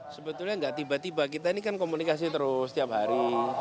sebetulnya nggak tiba tiba kita ini kan komunikasi terus setiap hari